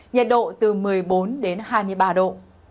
nhiệt độ từ một mươi bốn đến hai mươi ba độ